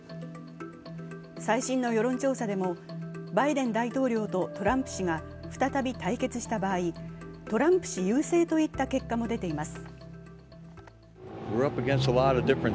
最新の世論調査でもバイデン大統領とトランプ氏が再び解決した場合、トランプ氏優勢といった結果も出ています。